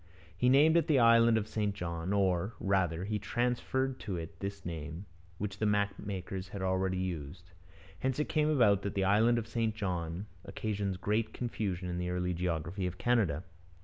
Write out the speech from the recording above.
He named it the Island of St John or, rather, he transferred to it this name, which the map makers had already used. Hence it came about that the 'Island of St John' occasions great confusion in the early geography of Canada.